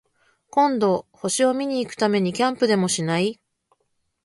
今度、星を見に行くためにキャンプでもしない？